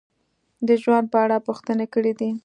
د ژوند په اړه پوښتنې کړې دي: